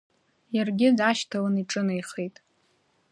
Иаргьы дашьҭалан иҿынеихеит.